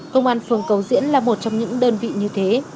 công an phường cầu diễn là một trong những đơn vị như thế